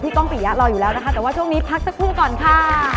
กล้องปิยะรออยู่แล้วนะคะแต่ว่าช่วงนี้พักสักครู่ก่อนค่ะ